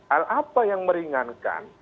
hal apa yang meringankan